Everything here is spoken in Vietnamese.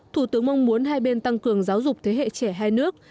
thủ tướng mong muốn hai bên tăng cường giáo dục thế hệ trẻ hai nước